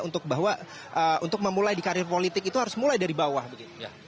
untuk bahwa untuk memulai di karir politik itu harus mulai dari bawah begitu